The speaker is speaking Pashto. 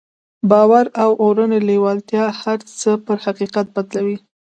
باور او اورنۍ لېوالتیا هر څه پر حقيقت بدلوي.